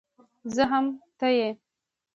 زه هم ته يې